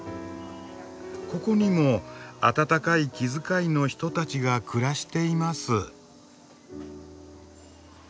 ここにも温かい気遣いの人たちが暮らしています。